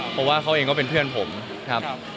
เพราะว่าเขาเองก็เป็นเพื่อนผมครับ